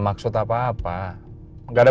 maksud apa apa enggak ada